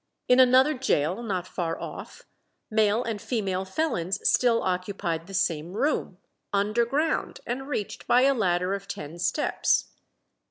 In another gaol not far off male and female felons still occupied the same room underground, and reached by a ladder of ten steps.